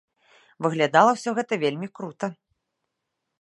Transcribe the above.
Выглядала ўсё гэта вельмі крута.